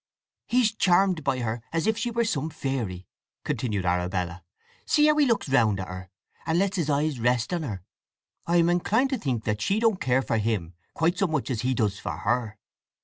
"He's charmed by her as if she were some fairy!" continued Arabella. "See how he looks round at her, and lets his eyes rest on her. I am inclined to think that she don't care for him quite so much as he does for her.